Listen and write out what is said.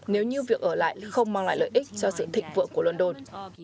nếu như việc ở lại không mang lại lợi ích cho sự thịnh vượng của london